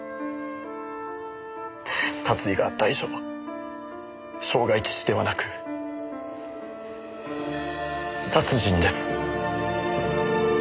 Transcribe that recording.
殺意があった以上傷害致死ではなく殺人です。